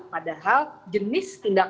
padahal jenis tindak